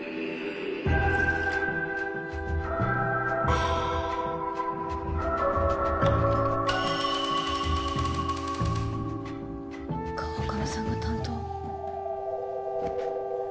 はああっ川上さんが担当